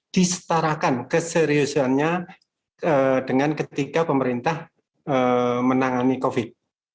disetarakan keseriusannya dengan ketika pemerintah menangani covid sembilan belas